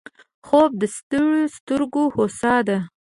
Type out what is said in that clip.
خوب د ستړیو سترګو هوسا ده